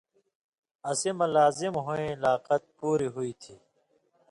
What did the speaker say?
اسی مہ لازِم ہُوئیں لاقَت پُوریۡ ہُوئ تھی